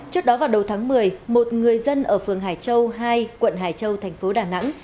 trước đó vào đầu tháng một mươi một người dân ở phường hải châu hai quận hải châu thành phố đà nẵng